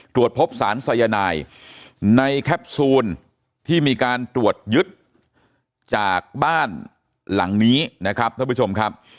ตรวจพบสารสายนายในแคปซูลที่มีการตรวจยึดจากบ้านหลังนี้นะครับท่านผู้ชมครับ